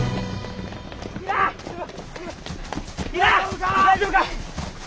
大丈夫か！